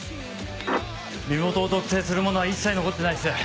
身元を特定するものは一切残ってないっす。